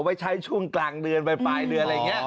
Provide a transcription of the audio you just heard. ไว้ใช้ช่วงกลางเดือนไปปลายเดือนอะไรอย่างนี้